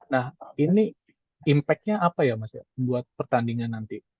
nah ini impact nya apa ya mas ya buat pertandingan nanti